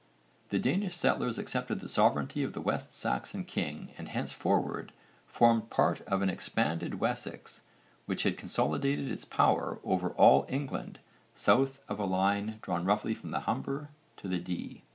The Danish settlers accepted the sovereignty of the West Saxon king and henceforward formed part of an expanded Wessex which had consolidated its power over all England south of a line drawn roughly from the Humber to the Dee.